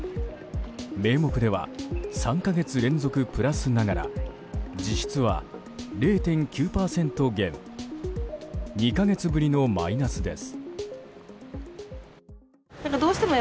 名目では３か月連続プラスながら実質は、０．９％減２か月ぶりのマイナスです。